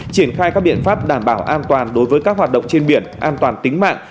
triển khai các biện pháp đảm bảo an toàn đối với các hoạt động trên biển an toàn tính mạng